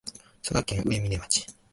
佐賀県上峰町